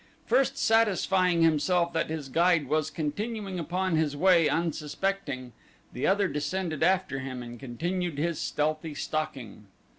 First satisfying himself that his guide was continuing upon his way unsuspecting, the other descended after him and continued his stealthy stalking.